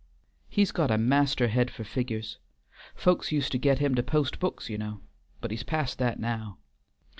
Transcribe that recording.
He's got a master head for figur's. Folks used to get him to post books you know, but he's past that now.